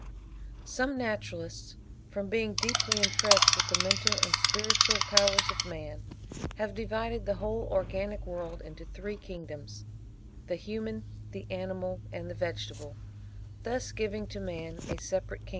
Some naturalists, from being deeply impressed with the mental and spiritual powers of man, have divided the whole organic world into three kingdoms, the Human, the Animal, and the Vegetable, thus giving to man a separate kingdom.